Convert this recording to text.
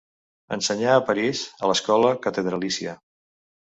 Ensenyà a París, a l'Escola catedralícia.